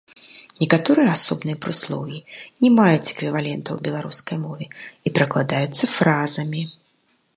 Некаторыя асобныя прыслоўі не маюць эквівалентаў у беларускай мове і перакладаюцца фразамі.